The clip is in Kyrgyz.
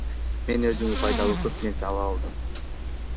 Мен өзүмө пайдалуу көп нерсе ала алдым.